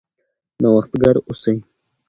نوښتګر اوسئ.